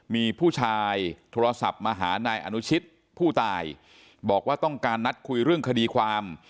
มีผู้ชายโทรศัพท์มาหานายอนุชิตผู้ตายบอกว่าต้องการนัดคุยเรื่องคดีความ